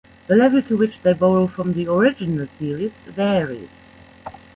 The level to which they borrow from the original series varies.